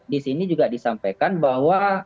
disini juga disampaikan bahwa